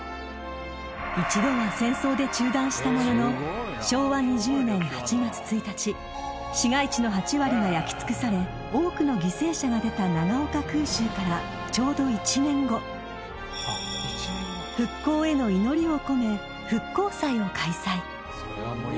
一度は戦争で中断したものの昭和２０年８月１日市街地の８割が焼き尽くされ多くの犠牲者が出た長岡空襲からちょうど１年後復興への祈りを込め復興祭を開催。